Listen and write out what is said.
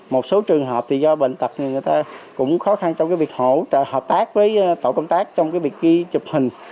một số trường hợp thì do bệnh tật thì người ta cũng khó khăn trong cái việc hỗ trợ hợp tác với tổ công tác trong việc ghi chụp hình